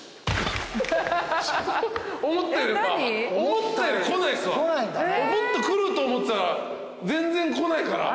もっと来ると思ってたら全然来ないから。